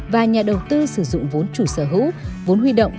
và nhà đầu tư sử dụng vốn chủ sở hữu vốn huy động